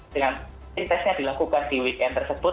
mungkin tesnya dilakukan di weekend tersebut